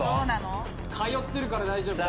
通ってるから大丈夫。